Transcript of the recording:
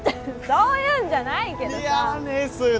そういうんじゃないけどさ。